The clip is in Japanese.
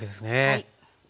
はい。